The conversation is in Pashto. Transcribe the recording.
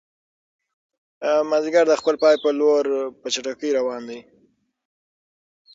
مازیګر د خپل پای په لور په چټکۍ روان دی.